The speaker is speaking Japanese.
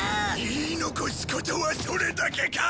言い残すことはそれだけか？